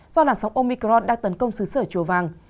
do làn sóng omicron đang tấn công xứ sở chùa vàng